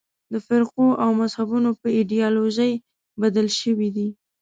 د فرقو او مذهبونو په ایدیالوژۍ بدلې شوې دي.